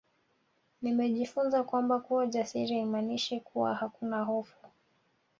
Nimejifunza kwamba kuwa jasiri haimaanishi kuwa hakuna hofu